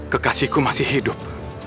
kekasihku masih hidup